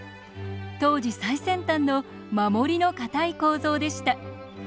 当時最先端の守りの堅い構造でした。